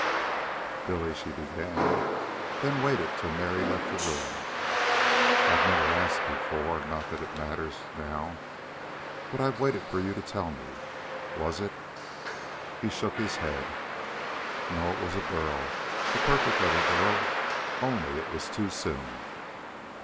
"Billy," she began; then waited till Mary left the room. "I never asked before not that it matters... now. But I waited for you to tell me. Was it...?" He shook his head. "No; it was a girl. A perfect little girl. Only... it was too soon."